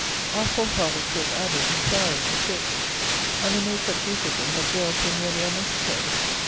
Our forefathers built abbeys and priories and churches, and they made such use of them that jails were nearly unnecessary.